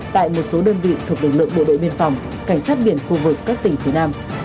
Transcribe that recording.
tại một số đơn vị thuộc lực lượng bộ đội biên phòng cảnh sát biển khu vực các tỉnh phía nam